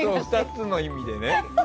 ２つの意味でね。